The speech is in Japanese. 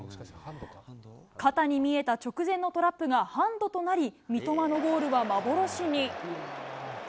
肩に見えた直前のトラップがハンドとなり、三笘のゴールは幻に。